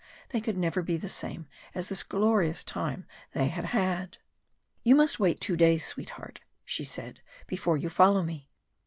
they could never be the same as this glorious time they had had. "You must wait two days, sweetheart," she said, "before you follow me.